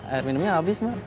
ntar minumnya abis mah